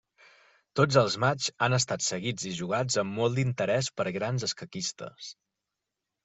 Tots els matxs han estat seguits i jugats amb molt d'interès per grans escaquistes.